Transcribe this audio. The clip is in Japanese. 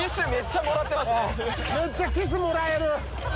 めっちゃキスもらえる。